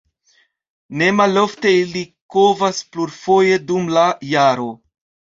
Ne malofte ili kovas plurfoje dum la jaro.